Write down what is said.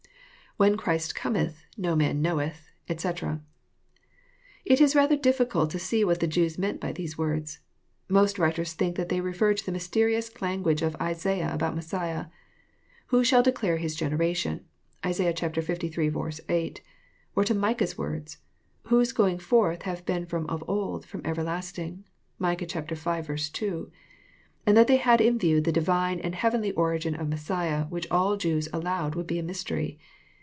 IWhen Christ comethy no man knoiceth, etc,"] It is rather diffi cult to see what the Jews meant by these words. Most writers think that they referred to the mysterious language of Isaiah about Messiah, —Who shall declare his generation; " (Isa. liii. 8 ;) or to Micah's words, —Whose goings forth have been ft>om of old, from everlasting; " (Micah v. 2;) and that they had in view the Divine and heavenly origin of Messiah, which all Jews allowed would be a mystery.